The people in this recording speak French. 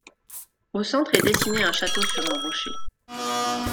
Au centre est dessiné un château sur un rocher.